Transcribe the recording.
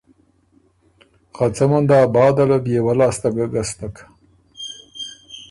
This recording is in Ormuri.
خه څه مُندا بعده له بيې وۀ لاسته ګۀ ګستک